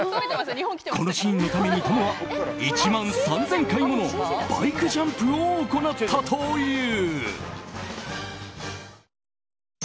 このシーンのためにトムは１万３０００回ものバイクジャンプを行ったという。